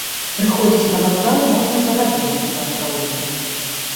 Прыходзіць на вакзал можна за гадзіну да адпраўлення.